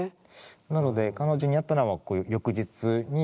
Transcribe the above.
なので彼女に会ったのは翌日に。